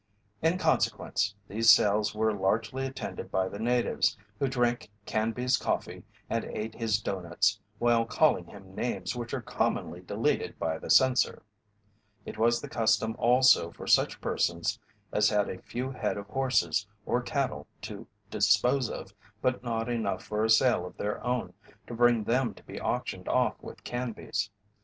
In consequence, these sales were largely attended by the natives, who drank Canby's coffee and ate his doughnuts while calling him names which are commonly deleted by the censor. It was the custom also for such persons as had a few head of horses or cattle to dispose of, but not enough for a sale of their own, to bring them to be auctioned off with Canby's.